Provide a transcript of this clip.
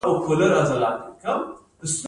د لغمان باغونه مالټې لري.